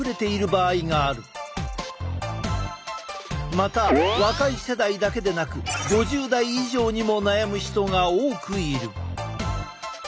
また若い世代だけでなく５０代以上にも悩む人が多くいる。